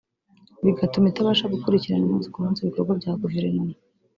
bigatuma itabasha gukurikirana umunsi ku munsi ibikorwa bya guverinoma